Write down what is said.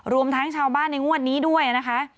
รวมทั้งชาวบ้านในงวดนี้ด้วยนะคะ